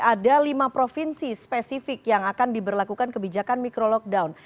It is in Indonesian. ada lima provinsi spesifik yang akan diberlakukan kebijakan micro lockdown